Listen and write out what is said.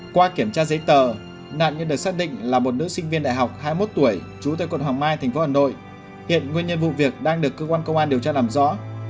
qua kiểm tra giấy tờ nạn nhân được xác định là một nữ sinh viên đại học hai mươi một tuổi trú tại quận hoàng mai tp hà nội hiện nguyên nhân vụ việc đang được cơ quan công an điều tra làm rõ